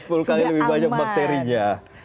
sepuluh kali lebih banyak bakterinya